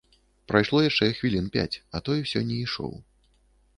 Прайшло яшчэ хвілін пяць, а той усё не ішоў.